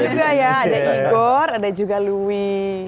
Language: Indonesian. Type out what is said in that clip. betul ya ada igor ada juga louis